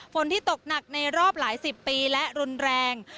ฝนที่ตกหนักในรอบหลายสิบปีและรุนแรง